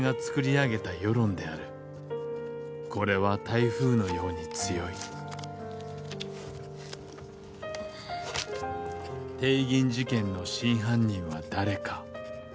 これは台風のように強い帝銀の真犯人は誰か。